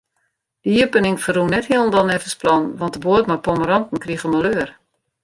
De iepening ferrûn net hielendal neffens plan, want de boat mei pommeranten krige maleur.